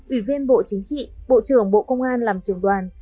ủy viên bộ chính trị bộ trưởng bộ công an làm trường đoàn